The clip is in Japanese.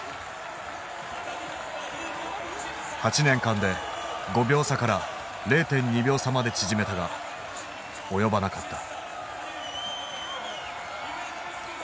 ８年間で５秒差から０．２秒差まで縮めたが及ばなかった。